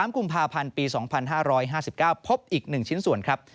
๓กุมภาพันธ์ปี๒๕๕๙พบอีก๑ชิ้นส่วนครับ